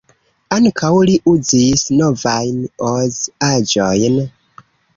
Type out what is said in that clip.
Ankaŭ li uzis "novajn" Oz-aĵojn.